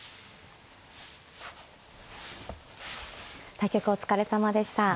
対局お疲れさまでした。